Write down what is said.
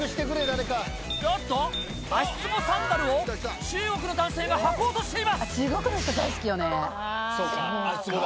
おっと、足つぼサンダルを中国の男性が履こうとしています。